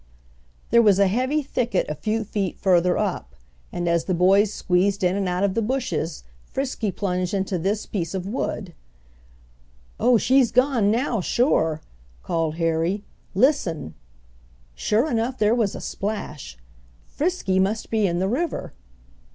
There was a heavy thicket a few feet further up, and as the boys squeezed in and out of the bushes Frisky plunged into this piece of wood. "Oh, she's gone now, sure!" called Harry "Listen!" Sure enough there was a splash! Frisky must be in the river!